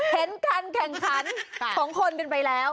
เห็นการแข่งขันของคนกันไปแล้ว